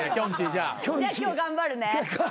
じゃあ今日頑張るね。